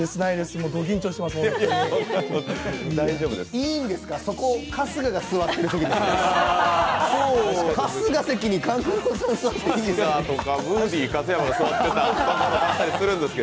いいんですか、そこ春日が座ってる席ですよ？